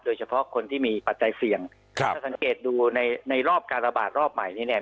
โดยเฉพาะคนที่มีปัจจัยเสี่ยงครับถ้าสังเกตดูในในรอบการระบาดรอบใหม่นี้เนี่ย